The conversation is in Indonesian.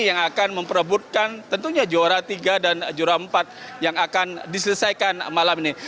yang akan memperebutkan tentunya juara tiga dan juara empat yang akan diselesaikan malam ini